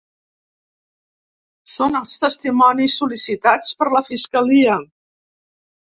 Són els testimonis sol·licitats per la fiscalia.